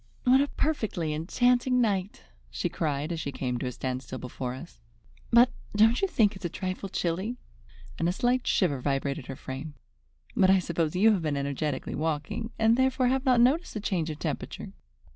"What a perfectly enchanting night!" she cried, as she came to a standstill before us. "But don't you think it is a trifle chilly?" and a slight shiver vibrated her frame. "But I suppose you have been energetically walking, and therefore have not noticed the change of temperature.